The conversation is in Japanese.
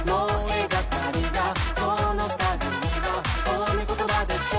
「そのたぐいは褒め言葉でしょ？」